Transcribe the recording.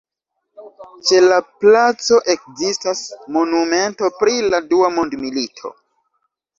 Ĉe la placo ekzistas monumento pri la Dua Mondmilito.